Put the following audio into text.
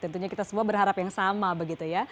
tentunya kita semua berharap yang sama begitu ya